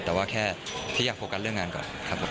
แต่ว่าแค่ที่อยากโฟกัสเรื่องงานก่อนครับผม